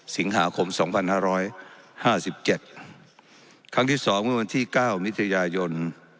สิงหาคมสองพันห้าร้อยห้าสิบเจ็ดครั้งที่สองเมื่อวันที่เก้ามิถยายน